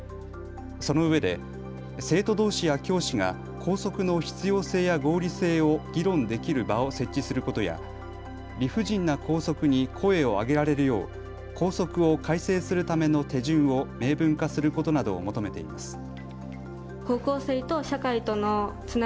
そのうえで生徒どうしや教師が校則の必要性や合理性を議論できる場を設置することや理不尽な校則に声を上げられるよう校則を改正するための手順を明文化することなどを求めています。